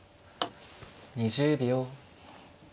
２０秒。